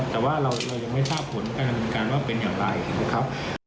แต่ว่าเรายังไม่ทราบผลการนำเรียนคารว่าเป็นอะไร